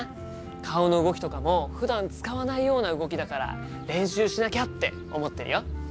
顔の動きとかもふだん使わないような動きだから練習しなきゃって思ってるよ。